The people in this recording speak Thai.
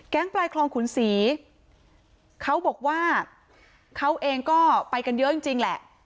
ปลายคลองขุนศรีเขาบอกว่าเขาเองก็ไปกันเยอะจริงแหละ